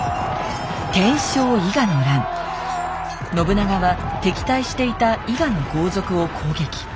信長は敵対していた伊賀の豪族を攻撃。